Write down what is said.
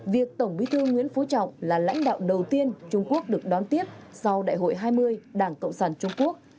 việc tổng bí thư nguyễn phú trọng là lãnh đạo đầu tiên trung quốc được đón tiếp sau đại hội hai mươi đảng cộng sản trung quốc